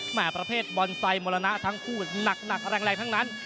ประเภทบอนไซค์มรณะทั้งคู่หนักแรงทั้งนั้น